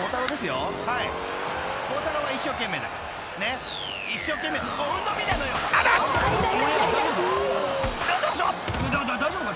［だ大丈夫か？］